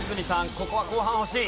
ここは後半欲しい。